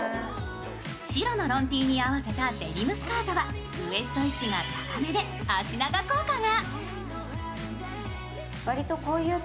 白のロンＴに合わせたデニムスカートはウエスト位置が高めで脚長効果が。